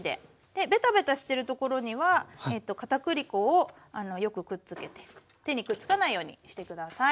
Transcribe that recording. ベタベタしてるところには片栗粉をよくくっつけて手にくっつかないようにして下さい。